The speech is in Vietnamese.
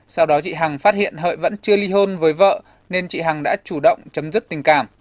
sau đó chị hằng phát hiện hợi vẫn chưa ly hôn với vợ nên chị hằng đã chủ động chấm dứt tình cảm